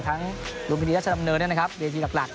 ทั้งรุมพิธีรัชดำเนินนะครับ